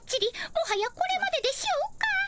もはやこれまででしょうか。